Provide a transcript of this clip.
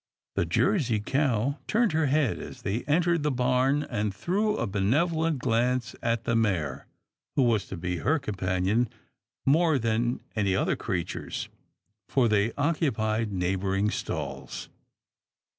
The Jersey cow turned her head as they entered 34 'TILDA JANE'S ORPHANS the barn, and threw a benevolent glance at the mare who was to be her companion more than any other creature's, for they occupied neighbouring stalls.